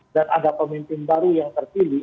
dan ada pemimpin baru yang terkini